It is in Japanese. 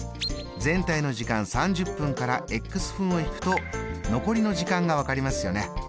全体の時間３０分から分を引くと残りの時間が分かりますよね。